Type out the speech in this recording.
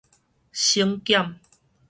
省減